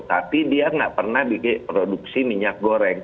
tapi dia tidak pernah di produksi minyak goreng